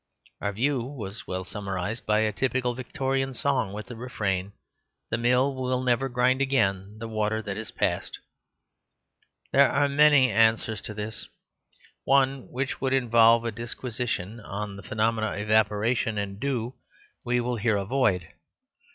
Our view was well summarised in a typical Victorian song with the refrain: "The mill will never grind again the water that is past." There are many answers to this. One (which would involve a disquisition on the phenomena of Evaporation and Dew) we will here avoid.